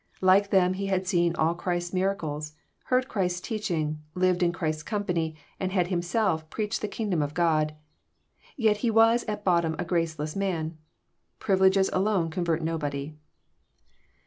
Like them he had seen all Christ's miracles, heard Christ's teaching, lived in Christ's company, and had himself preached the kingdom of God. Yet he was at bottom a graceless man. Privileges alone convert nobody.